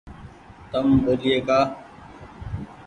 تم ٻولئي ڪآ ۔